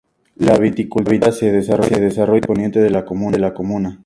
La vitivinicultura se desarrolla en el sector poniente de la comuna.